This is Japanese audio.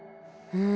うん。